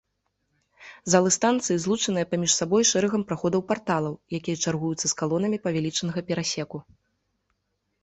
Залы станцыі злучаныя паміж сабой шэрагам праходаў-парталаў, якія чаргуюцца з калонамі павялічанага перасеку.